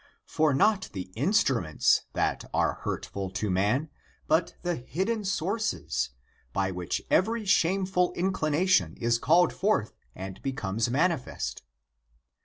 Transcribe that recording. For not the instru ments are hurtful to man, but the hidden sources, by which every shameful inclination is called forth and becomes manifest.